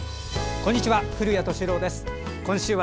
こんにちは。